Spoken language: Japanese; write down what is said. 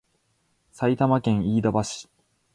埼玉県飯田橋